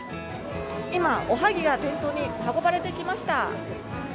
今、おはぎが店頭に運ばれてきました。